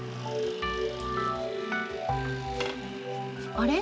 あれ？